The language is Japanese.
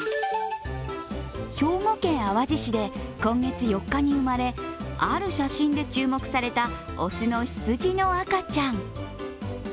兵庫県淡路市で今月４日に生まれある写真で注目された雄のひつじの赤ちゃん。